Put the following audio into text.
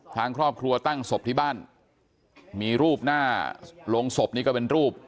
ทางครอบครัวตั้งศพที่บ้านมีรูปหน้าโรงศพนี่ก็เป็นรูป